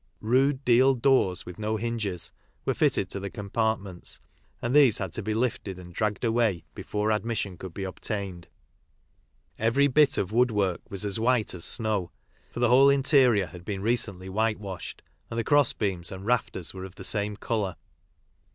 Eude deal doors, with no hinges, were fitted to the compart ments, and these had to be lifted and dragged away before admission could be obtained. Every bit of wookwork was as white as snow, for the whole interior had been recently whitewashed, and the cross beams and rafters were of the same colour.